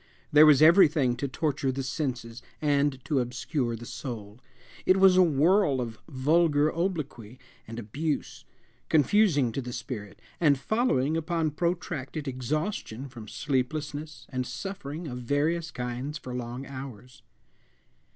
There was everything to torture the senses and to obscure the soul. It was a whirl of vulgar obloquy and abuse, confusing to the spirit, and following upon protracted exhaustion from sleeplessness and suffering of various kinds for long hours.